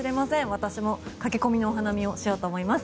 私も駆け込みのお花見をしようと思います。